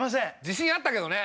自信あったけどね。